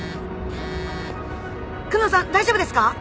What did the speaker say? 久能さん大丈夫ですか？